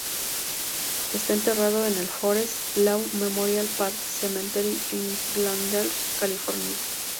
Está enterrado en el Forest Lawn Memorial Park Cemetery en Glendale, California.